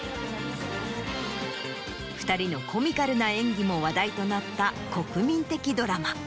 ２人のコミカルな演技も話題となった国民的ドラマ。